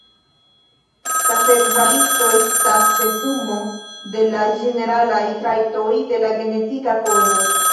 La sekva listo estas resumo de la ĝeneralaj trajtoj de la genetika kodo.